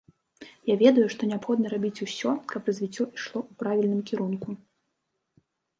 Я ведаю, што неабходна рабіць усё, каб развіццё ішло ў правільным кірунку.